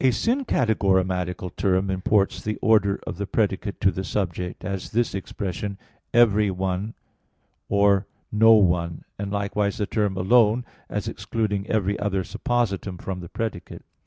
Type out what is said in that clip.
2). A syncategorematical term imports the order of the predicate to the subject; as this expression "every one" or "no one"; and likewise the term "alone," as excluding every other suppositum from the predicate.